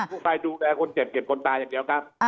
ผู้ภัยดูแลคนเจ็บเก็บคนตายอย่างเดียวครับ